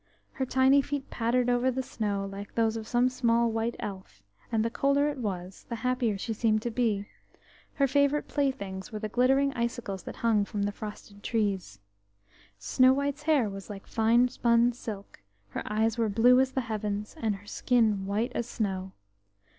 Her tiny feet pattered over the snow, like those of some small white elf, and the colder it was, the happier she seemed to be: her favourite playthings were the glittering icicles that hung from the frosted trees. Snow white's hair was like fine spun silk; her eyes were blue as the heavens, and her skin white as snow.